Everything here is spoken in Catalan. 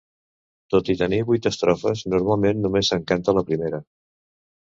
Tot i tenir vuit estrofes normalment només se'n canta la primera.